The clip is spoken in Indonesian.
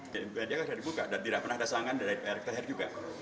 jadi dia kan sudah dibuka dan tidak pernah dasarkan dari pak erick thohir juga